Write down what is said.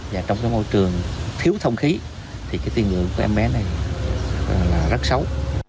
và trong môi trường thiếu thông khí thì tiên lượng của em bé này rất xấu